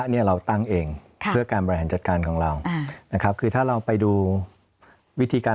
เนี่ยเราตั้งเองเพื่อการบริหารจัดการของเรานะครับคือถ้าเราไปดูวิธีการ